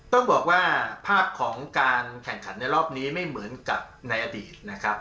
ต้องบอกว่าภาพของการแข่งขันในรอบนี้ไม่เหมือนกับในอดีตนะครับ